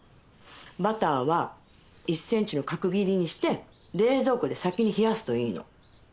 バターは１ｃｍの角切りにして冷蔵庫で先に冷やすといいの。